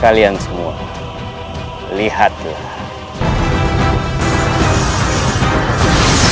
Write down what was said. kalian semua lihatlah